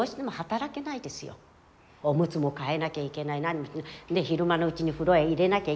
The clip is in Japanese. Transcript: おむつも替えなきゃいけないで昼間のうちに風呂へ入れなきゃいけないとかね。